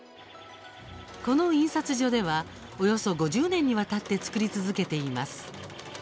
この印刷所ではおよそ５０年にわたって作り続けています。